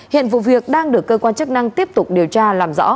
hiện vụ việc đang được cơ quan chức năng tiếp tục điều tra làm rõ